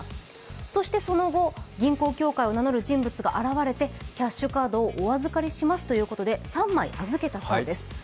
そしてその後、銀行協会を名乗る人物が現れてキャッシュカードをお預かりしますということで３枚預けたそうです